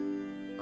あ。